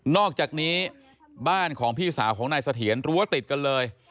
อกจากนี้บ้านของพี่สาวของนายเสถียรรั้วติดกันเลย